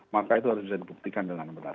maka itu harus bisa dibuktikan dengan benar